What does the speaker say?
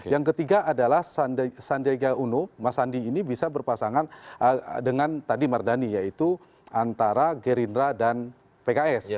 yang ketiga adalah sandiaga uno mas sandi ini bisa berpasangan dengan tadi mardani yaitu antara gerindra dan pks